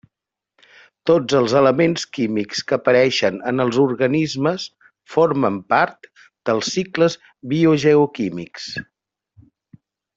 Tots els elements químics que apareixen en els organismes formen part dels cicles biogeoquímics.